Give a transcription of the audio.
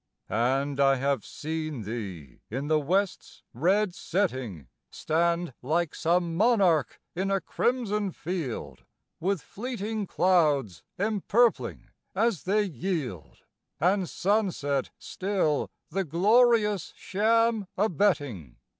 And I have seen thee in the West's red setting Stand like some Monarch in a crimson field, With fleeing clouds empurpling as they yield. And sunset still the glorious sham abetting.